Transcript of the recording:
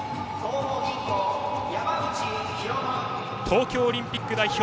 東京オリンピック代表。